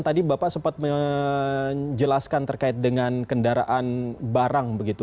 tadi bapak sempat menjelaskan terkait dengan kendaraan barang begitu